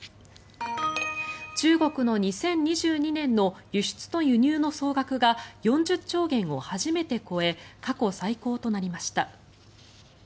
中国の２０２２年の輸出と輸入の総額が４０兆元を初めて超え過去最高となりました。